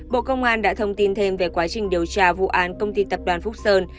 bộ công an đã thông tin thêm về quá trình điều tra vụ án công ty tập đoàn phúc sơn